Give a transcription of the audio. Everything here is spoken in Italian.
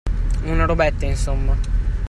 Una robetta, insomma.